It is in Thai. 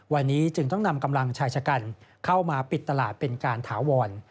วันนี้จึงต้องนำกำลังชายชะกันเข้ามาปิดตลาดเป็นการถาวร